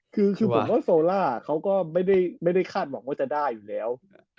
คือผมว่าโซล่าเขาก็ไม่ได้คาดหวังว่าจะได้อยู่แล้ว